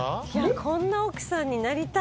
こんな奥さんになりたい。